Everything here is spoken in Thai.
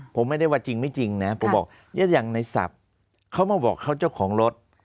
ผมไม่ได้ว่าจริงไม่จริงนะผมบอกอย่างในศัพท์เขามาบอกเขาเจ้าของรถ